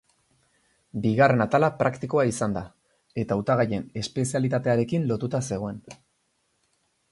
Bigarren atala praktikoa izan da, eta hautagaien espezialitatearekin lotuta zegoen.